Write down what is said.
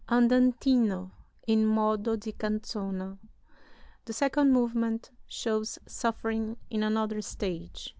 Andantino, in modo di canzona] "The second movement shows suffering in another stage.